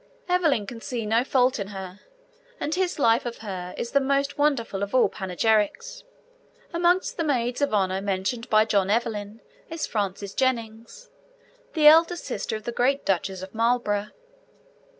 Evelyn can see no fault in her, and his life of her is the most wonderful of all panegyrics. Amongst the Maids of Honour mentioned by John Evelyn is Frances Jennings, the elder sister of the great Duchess of Marlborough.